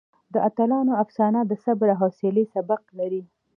د اتلانو افسانه د صبر او حوصلې سبق لري.